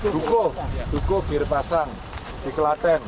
dukuh dukuh girpasang di kelaten